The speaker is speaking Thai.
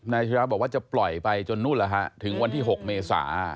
นายเฉียบบอกว่าจะปล่อยไปจนนู่นเหรอฮะถึงวันที่๖เมษา